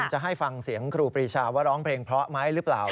จะให้ฟังเสียงครูปรีชาว่าร้องเพลงเพราะไหมหรือเปล่า